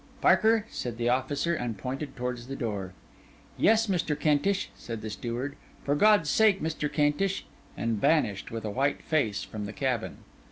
'Parker!' said the officer, and pointed towards the door. 'Yes, Mr. Kentish,' said the steward. 'For God's sake, Mr. Kentish!' And vanished, with a white face, from the cabin.